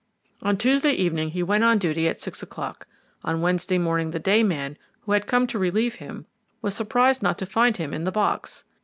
On Tuesday evening he went on duty at six o'clock; on Wednesday morning the day man who had come to relieve him was surprised not to find him in the box.